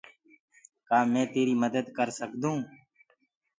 ڪآ مينٚ تيري مدد ڪر سڪدو هونٚ۔